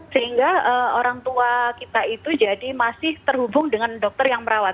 sehingga orang tua kita itu jadi masih terhubung dengan dokter yang merawat